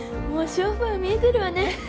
もう勝負は見えてるわね